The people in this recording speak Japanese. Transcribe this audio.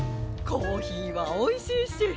コーヒーはおいしいし。